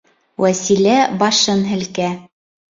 Вәсилә башын һелкә.